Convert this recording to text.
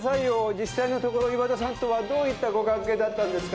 実際のところ岩田さんとはどういったご関係だったんですか？